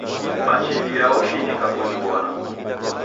Machilia woshinika kuniwona